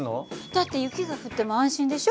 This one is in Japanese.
だって雪が降っても安心でしょ。